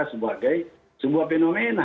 sebagai sebuah fenomena